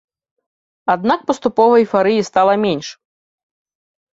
Аднак паступова эйфарыі стала менш.